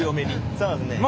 そうですね。